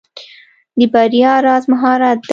د بریا راز مهارت دی.